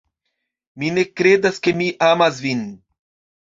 Mi ne kredas ke mi amas vin.